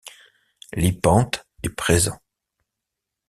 L'hypanthe est présent.